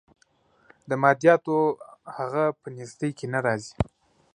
د مادیاتو هغه په نیستۍ کې نه راځي.